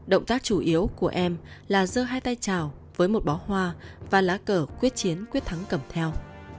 động tác chủ yếu của em là dơ hai tay trào với một bó hoa và lá cờ quyết chiến quyết thắng cầm theo